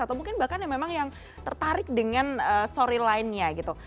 atau mungkin bahkan memang yang tertarik dengan storylinenya gitu